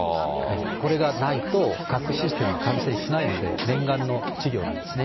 これがないと核システムは完成しないので、念願の事業なんですね。